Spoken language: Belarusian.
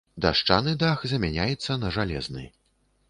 Дашчаны дах замяняецца на жалезны.